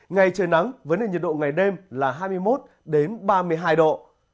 ngày trời nắng vấn đề nhiệt độ ngày đêm là hai mươi một ba mươi hai độ